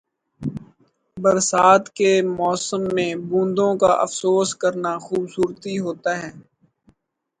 برسات کے موسم میں بوندوں کا افسوس کرنا خوبصورتی ہوتا ہے۔